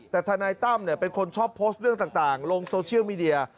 แต่ทนายตั้มเป็นคนชอบโพสต์เรื่องต่างลงโซเชียลมีเดีย